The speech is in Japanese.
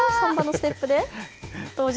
ステップで登場。